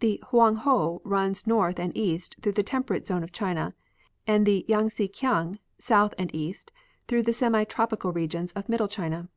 The Hoang ho runs north and east through the temperate zone of Cliina, and the Yang tse kiang south and east through the semi tropical regions of middle China.